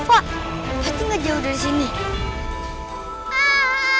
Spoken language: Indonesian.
kayaknya suaranya dari arah sana deh